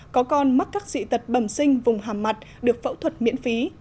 có con mắc các dị tật bầm sinh vùng hàm mặt được phẫu thuật miễn phí